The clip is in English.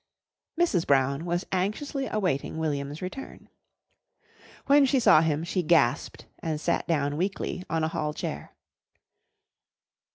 Mrs. Brown was anxiously awaiting William's return. When she saw him she gasped and sat down weakly on a hall chair.